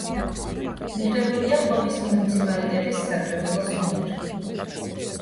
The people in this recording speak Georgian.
მიღებულია ხობის მუნიციპალიტეტის საკრებულოს მიერ.